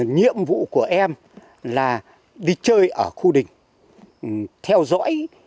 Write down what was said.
nhiệm vụ của em là đi chơi ở khu đình theo dõi